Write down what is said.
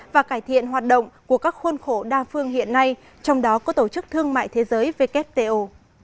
và cải thiện hoạt động của các khuôn khổ đa phương hiện nay trong đó có tổ chức thương mại thế giới wto